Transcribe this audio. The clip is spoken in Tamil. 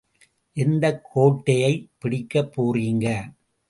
எந்தக் கோட்டையைப் பிடிக்கப் போறீங்க!